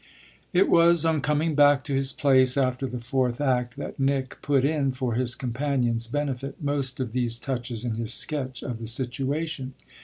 It was on coming back to his place after the fourth act that Nick put in, for his companion's benefit, most of these touches in his sketch of the situation.